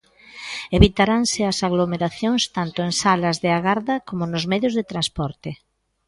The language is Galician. Evitaranse as aglomeracións, tanto en salas de agarda, como nos medios de transporte.